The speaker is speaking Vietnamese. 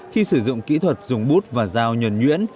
khi sử dụng kỹ thuật dùng bút và dao nhuẩn nhuyễn